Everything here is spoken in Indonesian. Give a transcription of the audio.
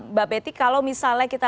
mbak betty kalau misalnya kita